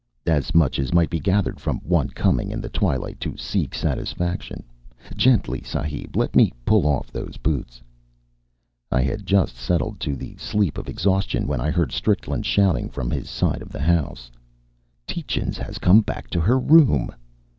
"As much as might be gathered from one coming in the twilight to seek satisfaction. Gently, sahib. Let me pull off those boots." I had just settled to the sleep of exhaustion when I heard Strickland shouting from his side of the house: "Tietjens has come back to her room!"